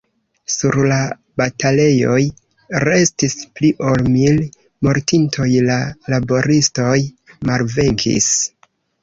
Sur la batalejoj restis pli ol mil mortintoj; la laboristoj malvenkis.